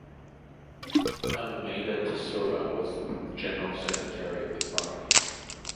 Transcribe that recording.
Almeida Tesoura was the general secretary of the party.